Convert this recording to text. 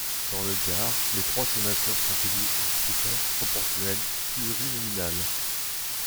Dans le Gard, les trois sénateurs sont élus au scrutin proportionnel plurinominal.